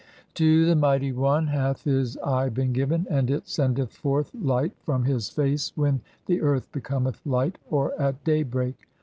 To the Mighty One "hath his eye been given, and it sendeth forth light from his "face when the earth becometh light (or at day break).